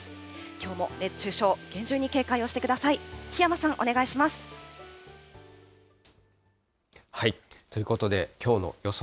きょうも熱中症、厳重に警戒をしてください。ということで、きょうの予想